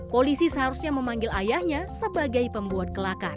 polisi seharusnya memanggil ayahnya sebagai pembuat kelakar